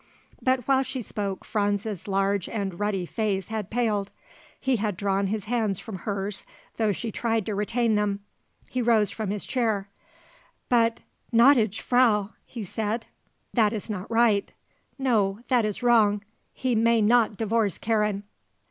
But while she spoke Franz's large and ruddy face had paled. He had drawn his hands from hers though she tried to retain them. He rose from his chair. "But, gnädige Frau," he said, "that is not right. No; that is wrong. He may not divorce Karen."